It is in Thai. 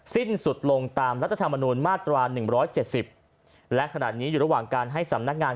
สิ้นสุดลงตามรัฐธรรมนูญมาตรา๑๗๐และขณะนี้อยู่ระหว่างการให้สำนักงาน